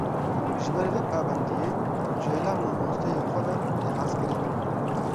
Ji ber vê pabendiyê ji hêla mamosteyê xwe ve tê hezkirin